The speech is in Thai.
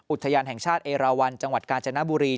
อุทยานแห่งชาติเอราวันจังหวัดกาญจนบุรี